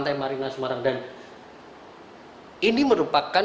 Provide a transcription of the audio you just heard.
dan ini merupakan keberadaan yang sangat penting untuk korban